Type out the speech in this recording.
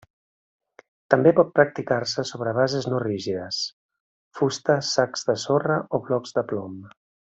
També pot practicar-se sobre bases no rígides: fusta, sacs de sorra o blocs de plom.